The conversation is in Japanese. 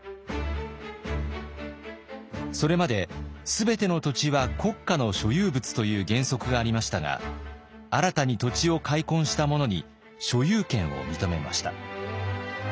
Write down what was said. それまで全ての土地は国家の所有物という原則がありましたが新たに土地を開墾した者に所有権を認めました。